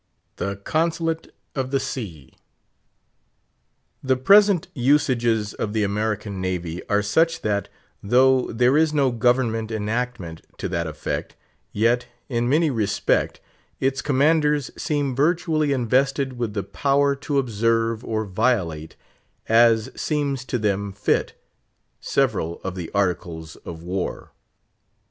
—The Consulate of the Sea. The present usages of the American Navy are such that, though there is no government enactment to that effect, yet, in many respect, its Commanders seem virtually invested with the power to observe or violate, as seems to them fit, several of the Articles of War.